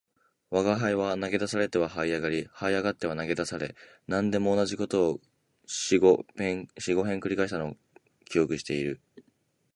吾輩は投げ出されては這い上り、這い上っては投げ出され、何でも同じ事を四五遍繰り返したのを記憶している